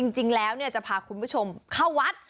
จริงแล้วจะพาคุณผู้ชมเข้าวัด